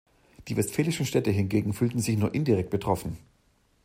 Die westfälischen Städte hingegen fühlten sich nur indirekt betroffen.